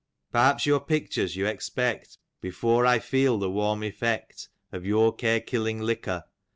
"Perhaps your pictures you expect, Before I feel the warm effect. Of your care kiUing liquor!